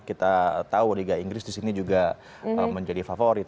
kita tahu liga inggris di sini juga menjadi favorit